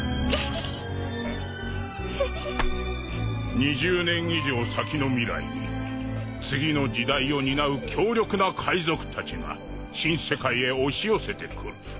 「２０年以上先の未来に次の時代を担う強力な海賊たちが新世界へ押し寄せてくる」